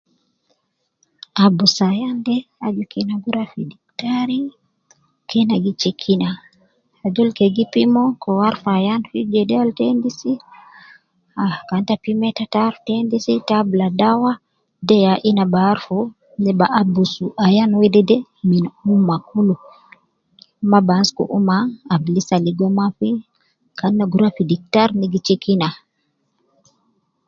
Abus ayan de aju kena gi rua fi diktari, kena gi check ina, ajol ke gi pim uwo, ke uwo aruf ayan fi jede al te endis ,ah kan ta pim ita taruf ita endisi, ta abula dawa, de ya ina bi arufu, ne bi abusu ayan wedede min umma kulu, ma bi amsuku umma ab lisa ligo mafi, kan ina gi rua fi diktar, na gi check ina